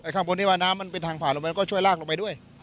ข้างบนที่ว่าน้ำมันเป็นทางผ่านลงไปมันก็ช่วยลากลงไปด้วย